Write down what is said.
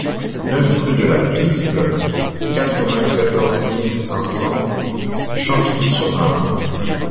neuf rue de la Piple, quatre-vingt-quatorze mille cinq cents Champigny-sur-Marne